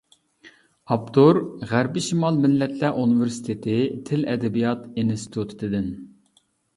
ئاپتور:غەربىي شىمال مىللەتلەر ئۇنىۋېرسىتېتى تىل-ئەدەبىيات ئىنستىتۇتىدىن.